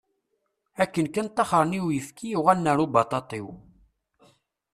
Akken kan taxṛen i uyefki, uɣalen ar ubaṭaṭiw.